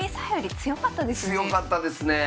強かったですねえ。